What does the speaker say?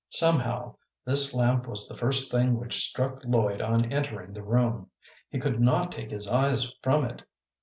Somehow this lamp was the first thing which struck Lloyd on entering the room. He could not take his eyes from it.